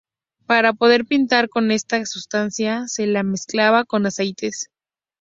Para poder pintar con esta sustancia se la mezclaba con aceites.